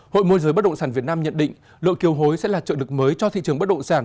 hội môi giới bất động sản việt nam nhận định lựa kiều hối sẽ là trợ lực mới cho thị trường bất động sản